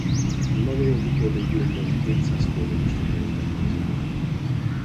A nagyenyedi kollégiumban hétszáz kollégista tanult ebben az időben.